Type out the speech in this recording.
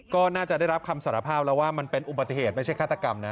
ก็น่าจะได้รับคำสารภาพแล้วว่ามันเป็นอุบัติเหตุไม่ใช่ฆาตกรรมนะ